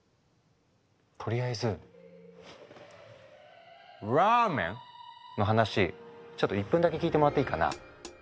とりあえず「ＲＡＭＥＮ」の話ちょっと１分だけ聞いてもらっていいかな。